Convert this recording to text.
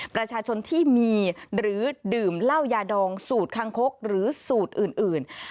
ประชาชนที่มีหรือดื่มเหล้ายาดองสูตรคังคกหรือสูตรอื่น